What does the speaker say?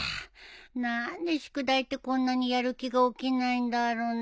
何で宿題ってこんなにやる気が起きないんだろうね。